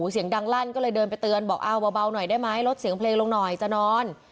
เสียงดังลั่นก็เลยเดินไปเตือนบอกเอาเบาหน่อยได้ไหมลดเสียงเพลงลงหน่อยจะนอน